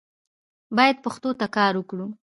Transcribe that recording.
باید پښتو ته کار وکړو